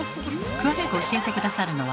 詳しく教えて下さるのは